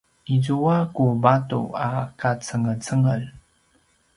izua ku vatu a qacengecengel